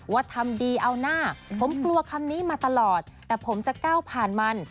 ว่าทำดีเอาหน้าผมกลัวคำนี้มาตลอดแต่ผมจะก้าวผ่านมัน